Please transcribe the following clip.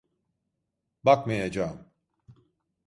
Bakmayacağım.